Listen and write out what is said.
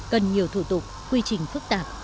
cần nhiều thủ tục quy trình phức tạp